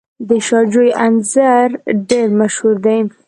د شاه جوی انځر ډیر مشهور دي.